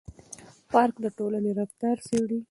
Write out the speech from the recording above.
پارک د ټولنې رفتار څېړي.